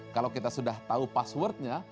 kalau kita sudah tahu passwordnya